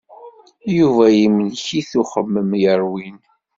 Yuba yemlek-it uxemmem yerwin.